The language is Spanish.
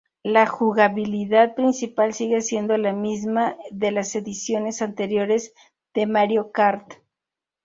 La jugabilidad principal sigue siendo la misma de las ediciones anteriores de Mario Kart.